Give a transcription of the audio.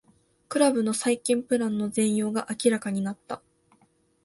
クラブの再建プランの全容が明らかになった